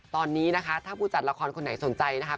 ตอนนี้นะคะถ้าผู้จัดละครคนไหนสนใจนะคะ